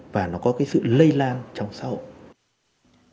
và nó có cái sự lây lan trong xã hội